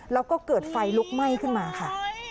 แล้วก็เกิดไฟลุกไหม้ขึ้นมาค่ะ